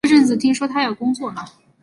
这阵子听说他要工作了